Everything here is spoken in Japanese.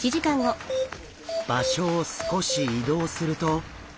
場所を少し移動すると。